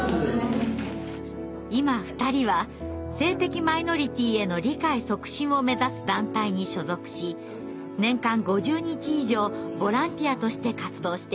今２人は性的マイノリティーへの理解促進を目指す団体に所属し年間５０日以上ボランティアとして活動しています。